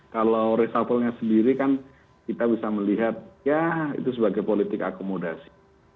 kalau reshuffle nya sendiri kan kita bisa melihat ya itu sebagai politik akomodasi